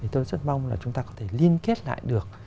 tôi rất mong là chúng ta có thể liên kết lại được